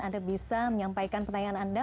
anda bisa menyampaikan pertanyaan anda